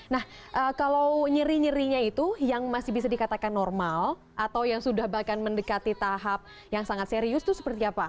nah kalau nyeri nyerinya itu yang masih bisa dikatakan normal atau yang sudah bahkan mendekati tahap yang sangat serius itu seperti apa